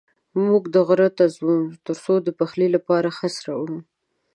موږ غره ته ځو تر څو د پخلي لپاره خس راوړو.